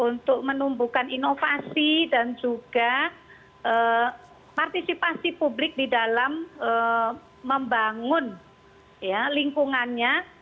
untuk menumbuhkan inovasi dan juga partisipasi publik di dalam membangun lingkungannya